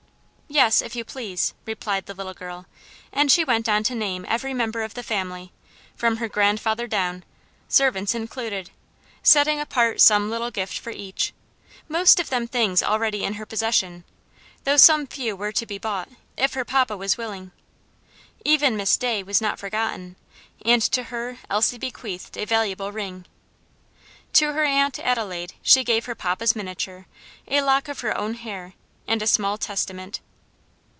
"Yes, if you please," replied the little girl; and she went on to name every member of the family, from her grandfather down servants included setting apart some little gift for each; most of them things already in her possession, though some few were to be bought, if her papa was willing. Even Miss Day was not forgotten, and to her Elsie bequeathed a valuable ring. To her Aunt Adelaide she gave her papa's miniature, a lock of her own hair, and a small Testament.